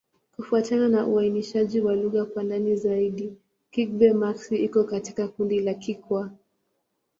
Kufuatana na uainishaji wa lugha kwa ndani zaidi, Kigbe-Maxi iko katika kundi la Kikwa.